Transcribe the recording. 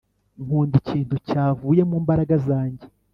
Nkunda ikintu cyavuye mu mbaraga zanjye